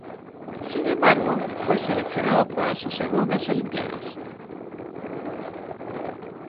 Sin embargo, fue seleccionado para sus segundas Olimpiadas.